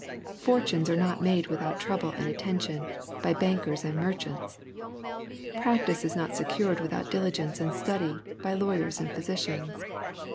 Fortunes are not made without trouble and attention, by bankers and merchants. Practice is not secured without diligence and study, by lawyers and physicians.